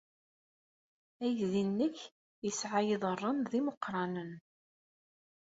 Aydi-nnek yesɛa iḍarren d imeqranen!